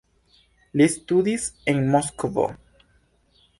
Li studis en Moskvo.